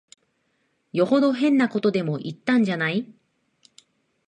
よほど変なことでも言ったんじゃない。